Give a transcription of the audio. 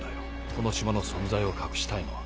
この島の存在を隠したいのは。